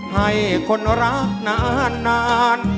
ให้คนรักนาน